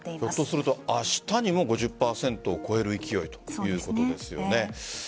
ひょっとすると明日にも５０％を超える勢いということですよね。